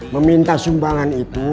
meminta sumbangan itu